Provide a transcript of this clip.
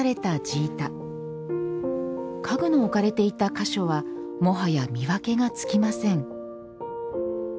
家具の置かれていた箇所はもはや見分けがつきません。